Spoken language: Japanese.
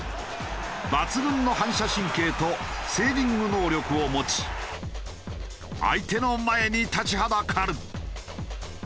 抜群の反射神経とセービング能力を持ち相手の前に立ちはだかる！